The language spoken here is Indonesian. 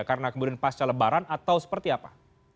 karena kemudian pasca lebaran atau seperti apa